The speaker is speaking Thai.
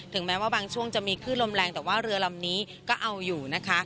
แม้ว่าบางช่วงจะมีขึ้นลมแรงแต่ว่าเรือลำนี้ก็เอาอยู่นะคะ